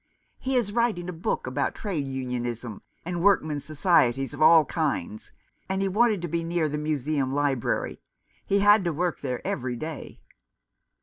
He is writing a book upon trade unionism, and workmen's societies of all kinds, and he wanted to be near the Museum Library. He had "to work there every day."